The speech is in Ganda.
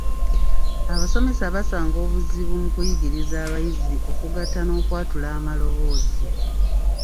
Abasomesa basanga obuzibu mu kuyigiriza abayizi okugatta n’okwatula amaloboozi.